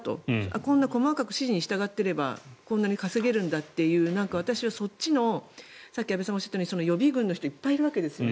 こんな細かく指示に従っていればこんなに稼げるんだという私はそっちのさっき安部さんがおっしゃったように予備軍の人がいっぱいいるわけですよね。